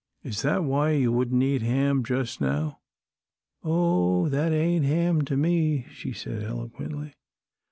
"Is that why you wouldn't eat your ham just now?" "Oh, that ain't ham to me," she said, eloquently.